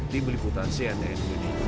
di meliputan cnn